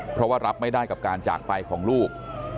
เพราะว่ารับไม่ได้กับการจากไปของลูก